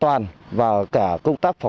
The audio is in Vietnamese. với những người vô cùng tốt nhất